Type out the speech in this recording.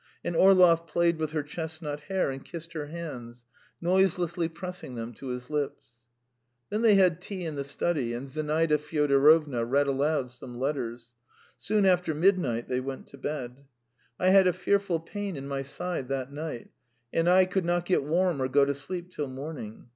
And Orlov played with her chestnut hair and kissed her hands, noiselessly pressing them to his lips. Then they had tea in the study, and Zinaida Fyodorovna read aloud some letters. Soon after midnight they went to bed. I had a fearful pain in my side that night, and I not get warm or go to sleep till morning.